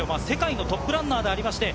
世界のトップランナーです。